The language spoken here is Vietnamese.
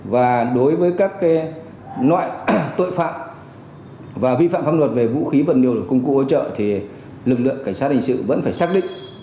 và đối với các loại tội phạm và vi phạm pháp luật về vũ khí vật liệu công cụ hỗ trợ thì lực lượng cảnh sát hình sự vẫn phải xác định